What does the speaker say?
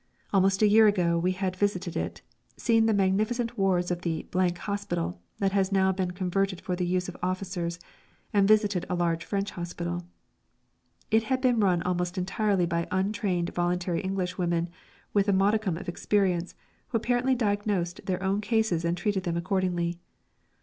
Almost a year ago we had visited it, seen the magnificent wards of the Hospital that has now been converted for the use of officers, and visited a large French hospital. It had been run almost entirely by untrained voluntary Englishwomen with a modicum of experience who apparently diagnosed their own cases and treated them accordingly.